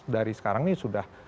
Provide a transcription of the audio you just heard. dari sekarang ini sudah